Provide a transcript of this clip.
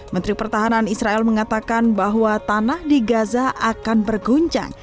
menteri pertahanan israel mengatakan bahwa tanah di gaza akan berguncang